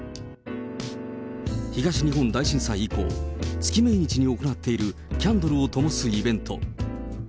東日本大震災以降、月命日に行っている、キャンドルをともすイベント。